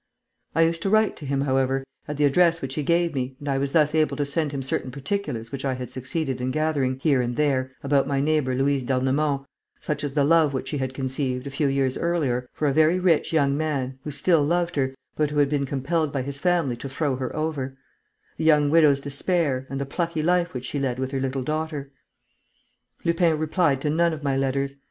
I used to write to him, however, at the address which he gave me and I was thus able to send him certain particulars which I had succeeded in gathering, here and there, about my neighbour Louise d'Ernemont, such as the love which she had conceived, a few years earlier, for a very rich young man, who still loved her, but who had been compelled by his family to throw her over; the young widow's despair, and the plucky life which she led with her little daughter. Lupin replied to none of my letters.